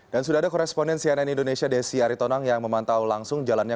dan sudah ada koresponden cnn indonesia desi aritonang yang memantau langsung jalannya